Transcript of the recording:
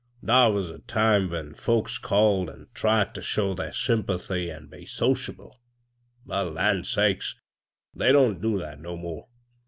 Thar was a time when folks called, an' tried ter show thdr sympathy an' be sociable ; but, land sakes I they don't do that no more.